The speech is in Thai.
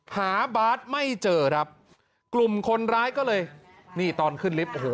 หาบาสไม่เจอครับกลุ่มคนร้ายก็เลยนี่ตอนขึ้นลิฟต์โอ้โห